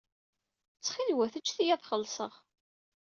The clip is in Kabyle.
Ttxil-wet ǧǧet-iyi ad xellṣeɣ.